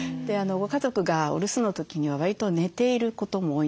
ご家族がお留守の時にはわりと寝ていることも多いんですよね